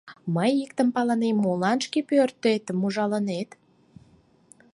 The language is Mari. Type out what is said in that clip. — Мый иктым палынем: молан шке пӧртетым ужалынет?